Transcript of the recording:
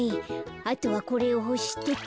あとはこれをほしてと。